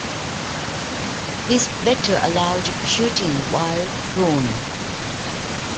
This better allowed shooting while prone.